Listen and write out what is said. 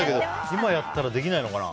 今やったらできないのかな。